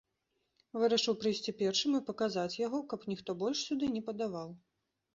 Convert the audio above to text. Вырашыў прыйсці першым і паказаць яго, каб ніхто больш сюды не падаваў!